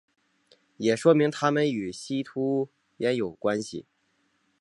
也说明他们与西突厥有关系。